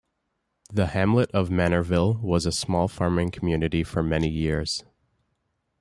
The hamlet of Manorville was a small farming community for many years.